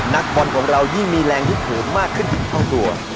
นักบอลของเรายิ่งมีแรงฮุกหัวมากขึ้นทิศข้างตัว